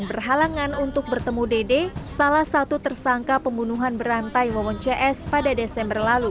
berhalangan untuk bertemu dede salah satu tersangka pembunuhan berantai wawon cs pada desember lalu